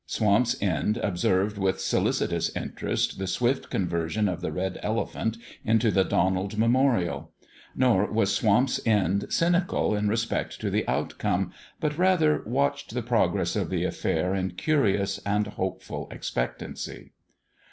Swamp's End observed with solicitous interest the swift conversion of the Red Elephant into the Donald Memorial : nor was Swamp's End cynical in respect to the outcome, but, rather, watched the progress of the affair in curious and hopeful expectancy.